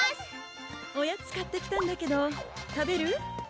おやつ買ってきたんだけど食べる？